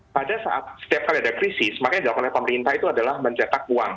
pada saat setiap kali ada krisis makanya dilakukan oleh pemerintah itu adalah mencetak uang